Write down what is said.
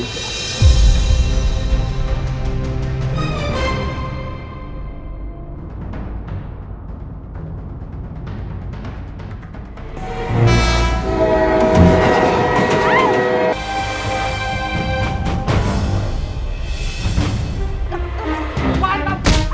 dia pasti kuat